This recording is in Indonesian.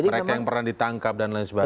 mereka yang pernah ditangkap dan lain sebagainya